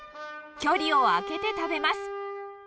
距離を空けて食べます。